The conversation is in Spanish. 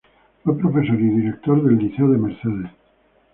Fue profesor y director del Liceo de Mercedes.